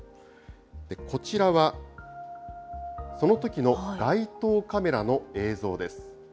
こちらは、そのときの街頭カメラの映像です。